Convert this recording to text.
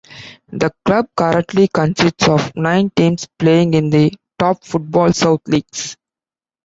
The club currently consists of nine teams playing in the top Footballsouth leagues.